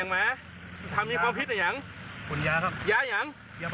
มากี่คน